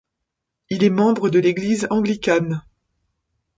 Il est membre de l'église anglicane.